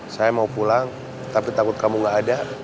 saya mau pulang tapi takut kamu gak ada